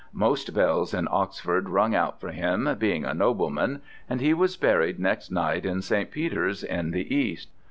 Most bells in Oxford rung out for him, being a nobleman, and he was buried next night in St. Peter's in the East.